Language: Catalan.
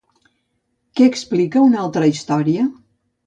Què explica una altra història?